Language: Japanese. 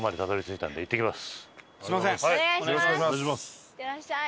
いってらっしゃい。